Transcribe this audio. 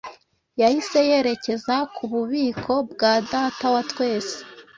yahise yerekeza kububiko bwa Data wa twese